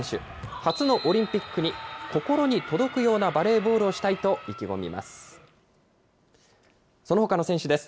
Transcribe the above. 初のオリンピックに、心に届くようなバレーボールをしたいと意気込みます。